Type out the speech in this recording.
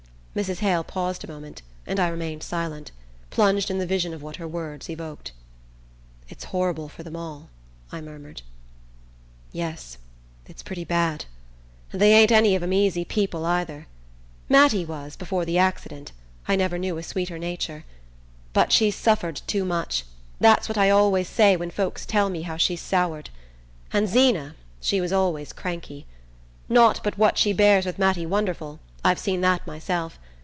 Mrs. Hale paused a moment, and I remained silent, plunged in the vision of what her words evoked. "It's horrible for them all," I murmured. "Yes: it's pretty bad. And they ain't any of 'em easy people either. Mattie was, before the accident; I never knew a sweeter nature. But she's suffered too much that's what I always say when folks tell me how she's soured. And Zeena, she was always cranky. Not but what she bears with Mattie wonderful I've seen that myself.